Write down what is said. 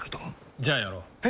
じゃあやろう。え？